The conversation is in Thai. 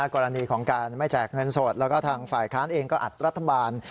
กรณีของการไม่แจกเงินสดแล้วก็ทางฝ่ายค้านเองก็อัดรัฐบาล